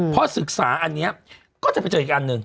พอศึกษาอันนี้ก็จะไปเจออีกอันหนึ่ง